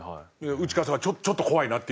内川さんはちょっと怖いなって。